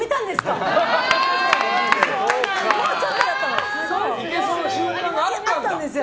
もうちょっとだったんですよ。